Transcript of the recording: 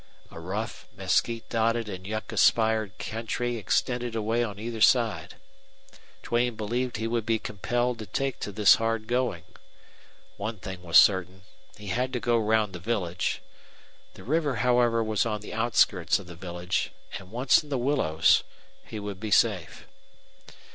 A rough, mesquite dotted and yucca spired country extended away on either side. Duane believed that he would be compelled to take to this hard going. One thing was certain he had to go round the village. The river, however, was on the outskirts of the village; and once in the willows, he would be safe.